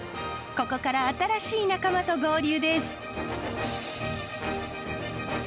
ここから新しい仲間と合流です。